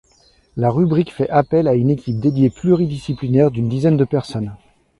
La rubrique fait appel à une équipe dédiée pluridisciplinaire d'une dizaine de personnes.